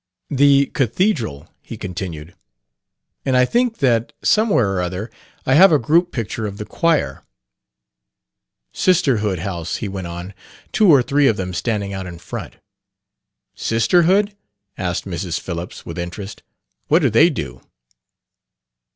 "The Cathedral," he continued. "And I think that, somewhere or other, I have a group picture of the choir. "Sisterhood house," he went on. "Two or three of them standing out in front." "Sisterhood?" asked Mrs. Phillips, with interest. "What do they do?"